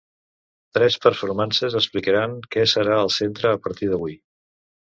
Tres performances explicaran què serà el centre a partir d’avui.